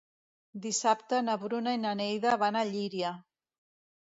Dissabte na Bruna i na Neida van a Llíria.